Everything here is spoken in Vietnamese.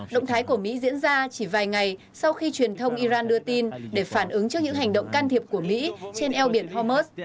động thái của mỹ diễn ra chỉ vài ngày sau khi truyền thông iran đưa tin để phản ứng trước những hành động can thiệp của mỹ trên eo biển hormuz